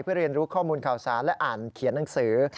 เพื่อเรียนรู้ข้อมูลข่าวสารและอ่านเขียนหนังสือ